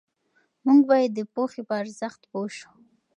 موږ باید د پوهې په ارزښت پوه سو.